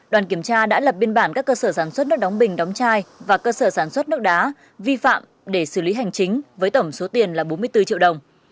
đoàn kiểm tra đã lập biên bản các cơ sở sản xuất nước đóng bình đóng chai và cơ sở sản xuất nước đá vi phạm để xử lý hành chính với tổng số tiền là bốn mươi bốn triệu đồng